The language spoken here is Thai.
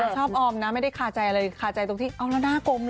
ชอบออมนะไม่ได้คาใจอะไรคาใจตรงที่เอาแล้วหน้ากลมเลย